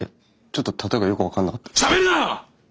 ちょっと例えがよく分かんなかったです。